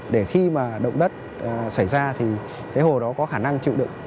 để khi mà động đất xảy ra thì cái hồ đó có khả năng chịu đựng